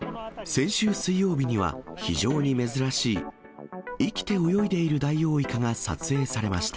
先週水曜日には、非常に珍しい、生きて泳いでいるダイオウイカが撮影されました。